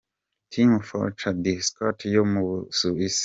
Team Furniture Decarte yo mu Busuwisi.